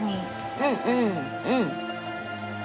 うんうんうん。